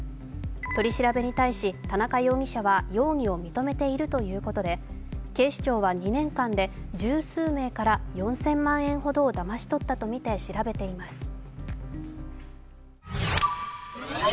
取り調べに対し田中容疑者は容疑を認めているということで、警視庁は２年間で十数名から４０００万円ほどをだまし取ったとみて調べています。